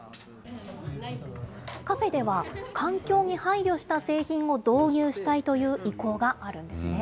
カフェでは、環境に配慮した製品を導入したいという意向があるんですね。